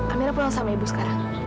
amira pulang sama ibu sekarang